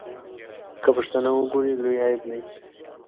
که پښتانه وګوري لوی عیب دی.